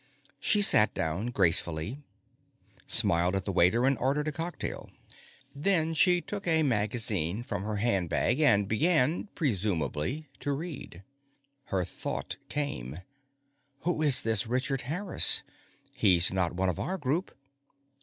She sat down gracefully, smiled at the waiter, and ordered a cocktail. Then she took a magazine from her handbag and began presumably to read. Her thought came: _Who is this Richard Harris? He's not one of our Group.